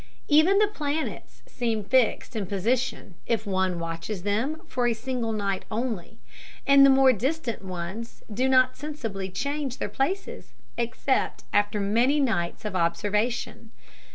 Even the planets seem fixed in position if one watches them for a single night only, and the more distant ones do not sensibly change their places, except after many nights of observation.